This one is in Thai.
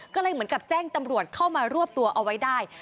ก็เลยเหมือนกับแจ้งตำรวจเข้ามารวบตัวเอาไว้ได้